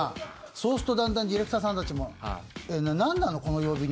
そうするとだんだんディレクターさんたちも。